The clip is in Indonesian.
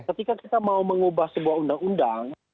ketika kita mau mengubah sebuah undang undang